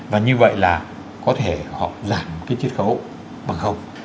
và như vậy là có thể họ giảm một cái chiết khấu bằng không